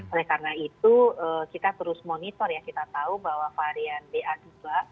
oleh karena itu kita terus monitor ya kita tahu bahwa varian ba dua